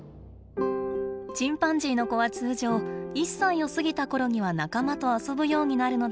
チンパンジーの子は通常１歳を過ぎた頃には仲間と遊ぶようになるのだそうです。